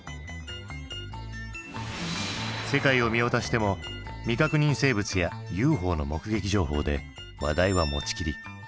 世界を見渡しても未確認生物やＵＦＯの目撃情報で話題は持ちきり。